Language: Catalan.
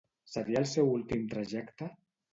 Seria el seu últim trajecte?